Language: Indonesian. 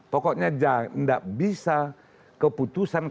pokoknya tidak bisa keputusan